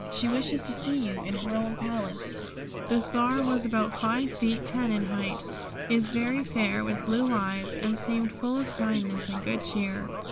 She wishes to see you in her own palace." The Czar is about five feet ten in height, is very fair, with blue eyes, and seemed full of kindness and good cheer.